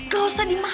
gak usah dimakan